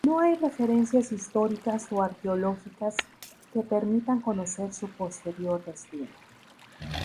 No hay referencias históricas o arqueológicas que permitan conocer su posterior destino.